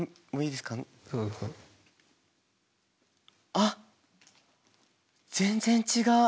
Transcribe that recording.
あっ全然違う。